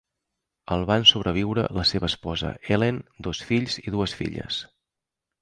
El van sobreviure la seva esposa Helen, dos fills i dues filles.